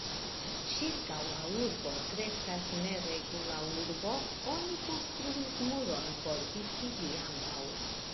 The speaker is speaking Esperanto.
Ĉirkaŭ la urbo kreskas neregula urbo, oni konstruis muron por disigi ambaŭ.